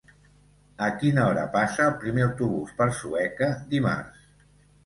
A quina hora passa el primer autobús per Sueca dimarts?